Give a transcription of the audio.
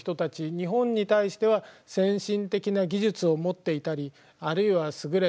日本に対しては先進的な技術を持っていたりあるいは優れたね